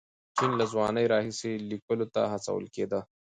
جین له ځوانۍ راهیسې لیکلو ته هڅول کېده.